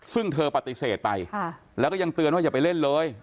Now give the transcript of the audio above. ซึ่งเธอปฏิเสธไปแล้วก็ยังเตือนว่าอย่าไปเล่นเลย